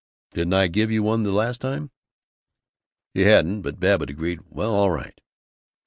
Didn't I give you one the last time?" He hadn't, but Babbitt agreed, "Well, all right."